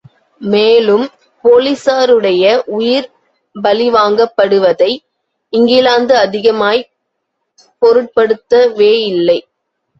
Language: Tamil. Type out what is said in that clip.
மேலும், போலிஸாருடைய உயிர் பலிவாங்கப்படுவதை இங்கிலாந்து அதிகமாய்ப் பொருட்படுத்துவேயில்லை.